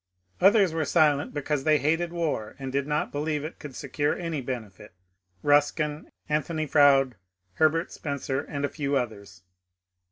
Others were silent because they hated war and did not believe it could secure any benefit, — Buskin, Anthony Froude, Herbert Spencer, and a few others.